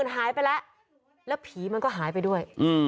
หายไปแล้วแล้วผีมันก็หายไปด้วย